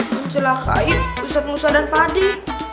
mencelakai ustadz musa dan padi